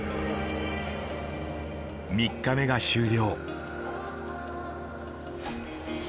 ３日目が終了。